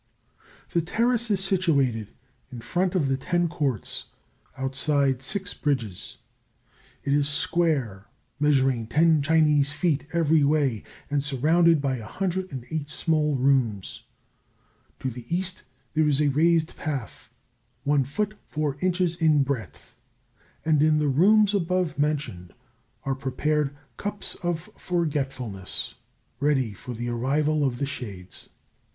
The Terrace is situated in front of the Ten Courts, outside the six bridges. It is square, measuring ten (Chinese) feet every way, and surrounded by 108 small rooms. To the east there is a raised path, one foot four inches in breadth, and in the rooms above mentioned are prepared cups of forgetfulness ready for the arrival of the shades.